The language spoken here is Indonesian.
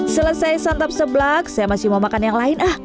selesai santap sebelah saya masih mau makan yang lain